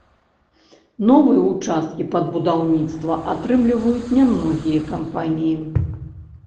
Новыя ўчасткі пад будаўніцтва атрымліваюць нямногія кампаніі.